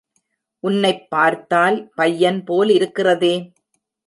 உன்னைப் பார்த்தால் பையன் போலிருக்கிறதே?